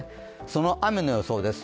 その雨の予想です。